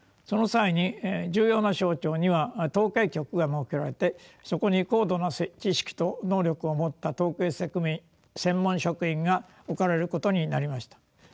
その際に重要な省庁には統計局が設けられてそこに高度な知識と能力を持った統計専門職員が置かれることになりました。